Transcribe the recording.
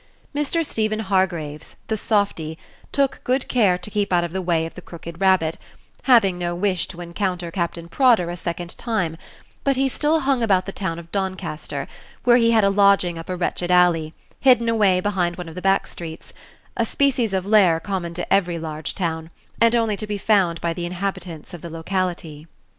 Mr. Stephen Hargraves, the softy, took good care to keep out of the way of the "Crooked Rabbit," having no wish to encounter Captain Prodder a second time; but he still hung about the Town of Doncaster, where he had a lodging up a wretched alley, hidden away behind one of the back streets a species of lair common to every large town, and only to be found by the inhabitants of the locality.